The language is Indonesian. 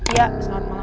iya selamat malam